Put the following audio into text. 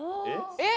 えっ！